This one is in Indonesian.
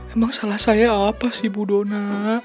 emang salah saya apa sih bu dona